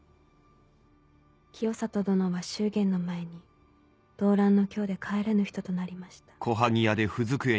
清里殿は祝言の前に動乱の京で帰らぬ人となりました」。